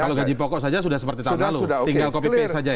kalau gaji pokok saja sudah seperti tahun lalu tinggal copy paste saja ya